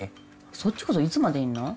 そっちこそいつまでいんの？